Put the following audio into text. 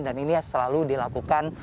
dan ini selalu dilakukan